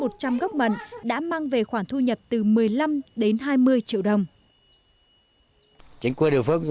các trăm gốc mận đã mang về khoản thu nhập từ một mươi năm đến hai mươi triệu đồng